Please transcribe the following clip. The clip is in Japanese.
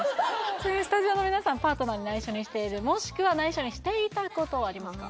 ちなみにスタジオの皆さんパートナーに内緒にしているもしくは内緒にしていたことありますか？